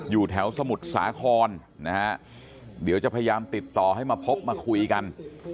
อยู่แถวสมุทรสาครนะฮะเดี๋ยวจะพยายามติดต่อให้มาพบมาคุยกัน